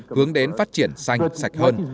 hướng đến phát triển xanh sạch hơn